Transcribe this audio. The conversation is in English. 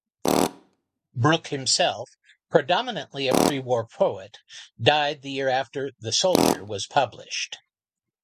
Brooke himself, predominantly a prewar poet, died the year after "The Soldier" was published.